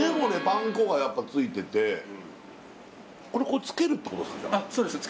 パン粉がやっぱついててこれつけるってことですか？